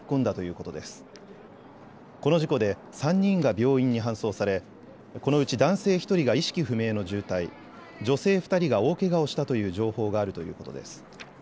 この事故で３人が病院に搬送されこのうち男性１人が意識不明の重体、女性２人が大けがをしたという情報があるということです。